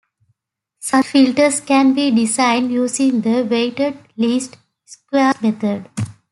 Such filters can be designed using the weighted least squares method.